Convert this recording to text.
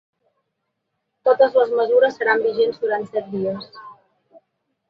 Totes les mesures seran vigents durant set dies.